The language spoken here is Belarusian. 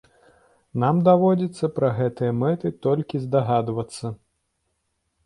Нам даводзіцца пра гэтыя мэты толькі здагадвацца.